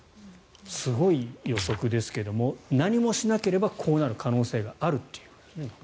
すごい予測ですけど何もしなければこうなる可能性があるという。